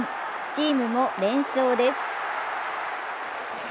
チームも連勝です。